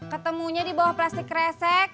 ketemunya dibawah plastik resek